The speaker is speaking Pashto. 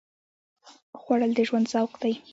خوړل د ژوند ذوق دی